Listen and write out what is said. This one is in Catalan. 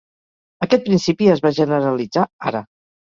Aquest principi es va generalitzar ara.